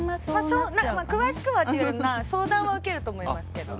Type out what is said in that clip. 詳しくはというより相談は受けると思いますけど。